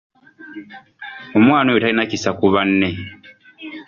Omwana oyo talina kisa ku banne.